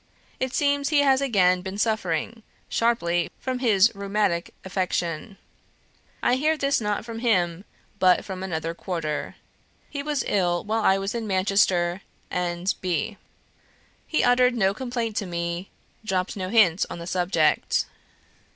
It seems he has again been suffering sharply from his rheumatic affection. I hear this not from himself, but from another quarter. He was ill while I was in Manchester and B . He uttered no complaint to me; dropped no hint on the subject.